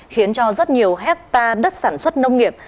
khiến cho rất nhiều hectare đất sản xuất nông nghiệp